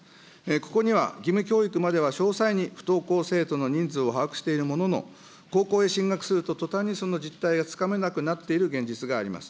ここには、義務教育までは詳細に不登校生徒の人数を把握しているものの、高校へ進学するととたんにその実態がつかめなくなっている現実があります。